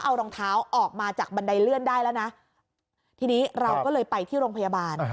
เอารองเท้าออกมาจากบันไดเลื่อนได้แล้วนะทีนี้เราก็เลยไปที่โรงพยาบาล